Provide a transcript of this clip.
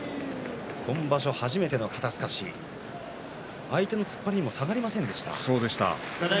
今場所、初めての肩すかし相手の突っ張りにも下がりませんでした。